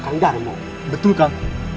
kan darmo betul kak